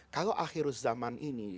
kalau akhir zaman ini